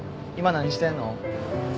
今何してんの？